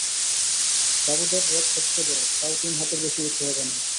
বাবুদের রথ সবচেয়ে বড়, তাও তিন হাতের বেশি উঁচু হবে না।